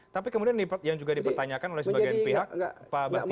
tapi kemudian ini yang juga dipertanyakan oleh sebagian pihak pak basri